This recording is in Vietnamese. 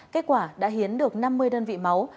kết quả đã hiến được năm mươi đơn vị máu